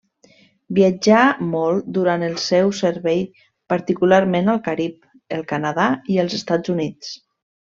Viatjà molt durant el seu servei, particularment al Carib, el Canadà i els Estats Units.